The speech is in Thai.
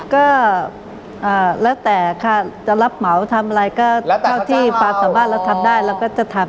ก็แล้วแต่ค่ะจะรับเหมาทำอะไรก็เท่าที่ความสามารถเราทำได้เราก็จะทำ